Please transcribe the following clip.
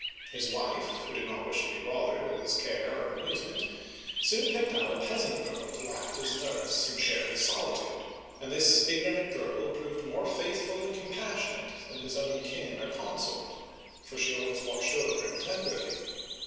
His wife, who did not wish to he bothered with his care or amusement, soon picked out a peasant girl to act as nurse and share his solitude, and this ignorant girl proved more faithful and compassionate than his own kin or consort, for she always watched over him tenderly.